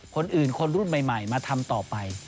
คนอื่นคนรุ่นใหม่มาทำต่อไป